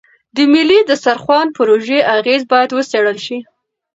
د ملي دسترخوان پروژې اغېز باید وڅېړل شي.